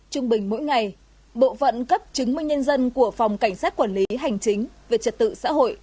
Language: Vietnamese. trung bình mỗi ngày bộ phận cấp chứng minh nhân dân của phòng cảnh sát quản lý hành chính về trật tự xã hội